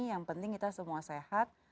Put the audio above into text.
yang penting kita semua sehat